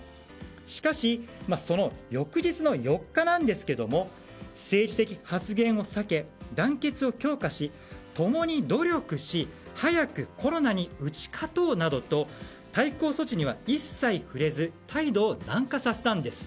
しかし、その翌日の４日ですが政治的発言を避け、団結を強化し共に努力し早くコロナに打ち勝とうなどと対抗措置には一切触れず態度を軟化させたんです。